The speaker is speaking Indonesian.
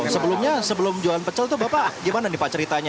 sebelumnya sebelum jualan pecel tuh bapak gimana nih pak ceritanya